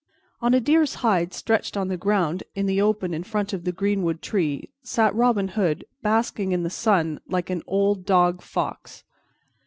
On a deer's hide, stretched on the ground in the open in front of the greenwood tree, sat Robin Hood basking in the sun like an old dog fox.